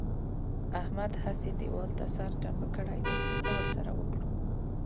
احمد هسې دېوال ته سر ټنبه کړی دی؛ څه ور سره وکړو؟!